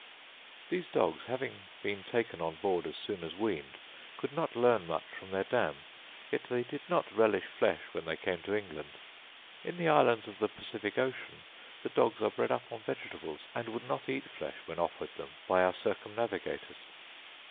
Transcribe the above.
These dogs, having been taken on board as soon as weaned, could not learn much from their dam; yet they did not relish flesh when they came to England. In the islands of the Pacific Ocean the dogs are bred up on vegetables, and would not eat flesh when offered them by our circumnavigators.